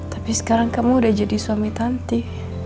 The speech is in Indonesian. tapi sekarang kamu udah jadi suami tanti